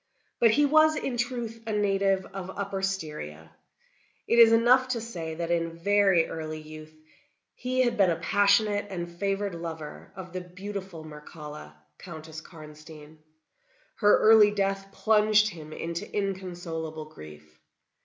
But he was, in truth, a native of Upper Styria. It is enough to say that in very early youth he had been a passionate and favored lover of the beautiful Mircalla, Countess Karnstein. Her early death plunged him into inconsolable grief.